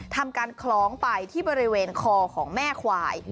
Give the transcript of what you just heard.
ทำการคล้องไปที่บริเวณคอของแม่ควาย